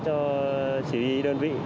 cho chỉ huy đơn vị